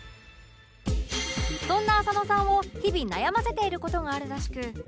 そんな浅野さんを日々悩ませている事があるらしく